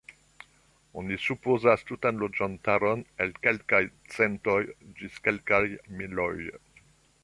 Oni supozas tutan loĝantaron el kelkaj centoj ĝis kelkaj miloj.